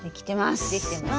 できてます。